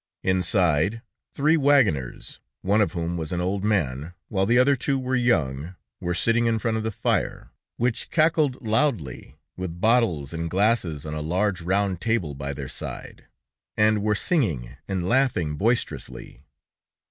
Inside, three wagoners, one of whom was an old man, while the other two were young, were sitting in front of the fire, which cackled loudly, with bottles and glasses on a large round table by their side, and were singing and laughing boisterously.